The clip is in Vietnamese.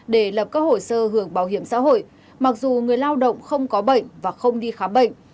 để lập các hồ sơ hưởng bảo hiểm xã hội mặc dù người lao động không có bệnh và không đi khám bệnh